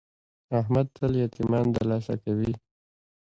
احمد تل یتمیان دلاسه کوي.